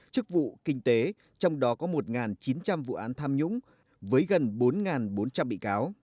chức vụ kinh tế trong đó có một chín trăm linh vụ án tham nhũng với gần bốn bốn trăm linh bị cáo